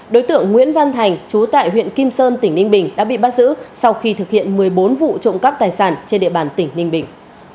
đối tượng nguyễn văn thành chú tại huyện kim sơn tỉnh ninh bình đã bị bắt giữ sau khi thực hiện một mươi bốn vụ trộm cắp tài sản trên địa bàn tỉnh ninh bình